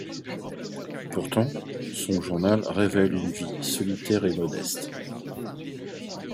Pourtant, son journal révèle une vie solitaire et modeste.